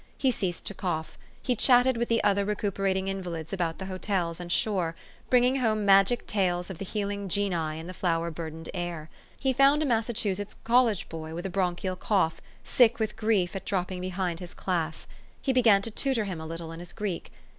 He ceased to cough. He chatted with the other recu perating invalids about the hotels and shore, bringing home magic tales of the healing genii in the flower burdened air. He found a Massachusetts college boy with a bronchial cough, sick with grief at drop ping behind his class. He began to tutor him a little in his Greek.